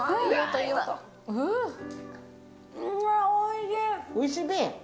うわー、おいしいべ。